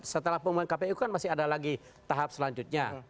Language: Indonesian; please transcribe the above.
setelah pengumuman kpu kan masih ada lagi tahap selanjutnya